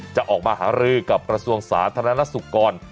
จะออกมาหารือกับกระทรวงสาธารณสุขก่อน